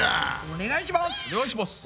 お願いします！